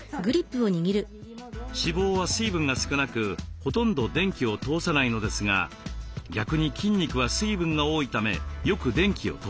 脂肪は水分が少なくほとんど電気を通さないのですが逆に筋肉は水分が多いためよく電気を通します。